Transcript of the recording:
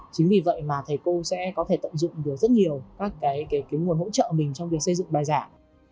chính vì vậy mà thầy cô sẽ có thể tận dụng được rất nhiều các cái cái nguồn hỗ trợ mình trong việc xây dựng bài dạy